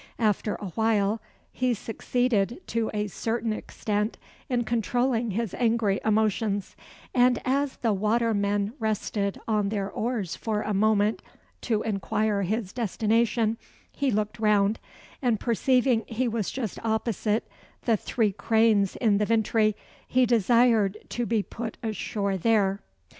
After awhile, he succeeded, to a certain extent, in controlling his angry emotions; and as the watermen rested on their oars for a moment, to inquire his destination, he looked round, and perceiving he was just opposite the Three Cranes in the Vintry, he desired to be put ashore there.